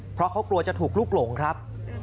เพราะเขากลัวจะถูกลุกหลงครับ